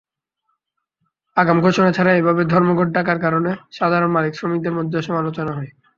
আগাম ঘোষণা ছাড়াই এভাবে ধর্মঘট ডাকার কারণে সাধারণ মালিক-শ্রমিকদের মধ্যেও সমালোচনা হয়।